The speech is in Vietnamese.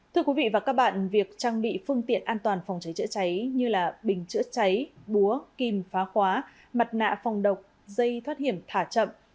thưa quý vị và các bạn việc trang bị phương tiện an toàn phòng cháy chữa cháy như bình chữa cháy búa kim phá khóa mặt nạ phòng độc dây thoát hiểm thả chậm